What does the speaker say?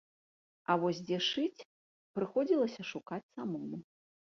А вось дзе шыць, прыходзілася шукаць самому.